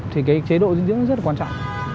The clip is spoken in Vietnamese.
thì cái chế độ dinh dưỡng rất là quan trọng